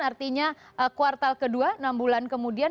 artinya kuartal ke dua enam bulan kemudian